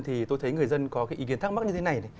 thì tôi thấy người dân có cái ý kiến thắc mắc như thế này này